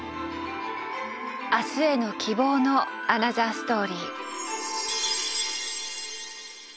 明日への希望のアナザーストーリー。